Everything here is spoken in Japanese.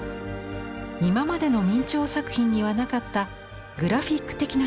今までの明兆作品にはなかったグラフィック的な線です。